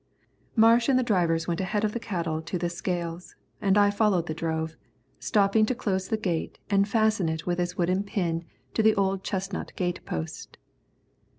Marsh and the drivers went ahead of the cattle to the scales, and I followed the drove, stopping to close the gate and fasten it with its wooden pin to the old chestnut gate post.